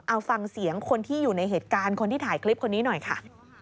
เอาฟังเสียงคนที่อยู่ในเหตุการณ์คนที่ถ่ายคลิปคนนี้หน่อยค่ะ